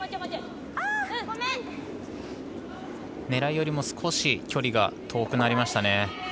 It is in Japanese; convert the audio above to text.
狙いよりも少し距離が遠くなりましたね。